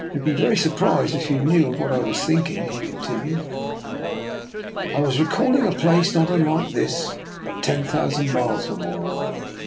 " You would be very surprised if you knew of what I was thinking," he continued. " I was recalling a place not unlike this, but ten thousand miles or more away.